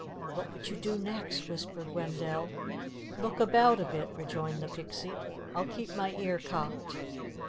"What would you do next?" whispered Wendell. "Look about a bit," rejoined the Pixie. "I'll keep my ear cocked."